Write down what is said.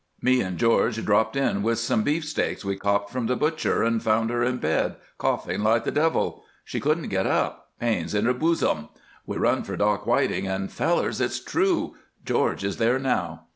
Me 'n' George dropped in with some beefsteaks we copped from the butcher, and found her in bed, coughing like the devil. She couldn't get up pains in her boosum. We run for Doc Whiting and fellers, it's true! George is there now."